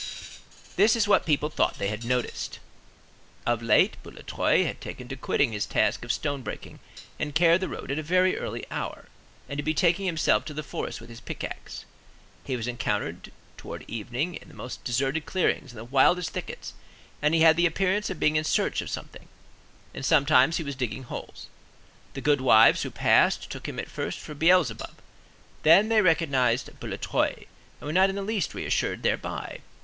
This is what people thought they had noticed:— Of late, Boulatruelle had taken to quitting his task of stone breaking and care of the road at a very early hour, and to betaking himself to the forest with his pickaxe. He was encountered towards evening in the most deserted clearings, in the wildest thickets; and he had the appearance of being in search of something, and sometimes he was digging holes. The goodwives who passed took him at first for Beelzebub; then they recognized Boulatruelle, and were not in the least reassured thereby.